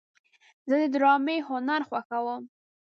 زه د ډرامې هنر خوښوم.